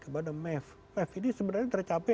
kepada mev mev ini sebenarnya tercapai